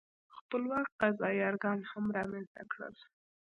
خپلواک قضايي ارګان هم رامنځته کړل.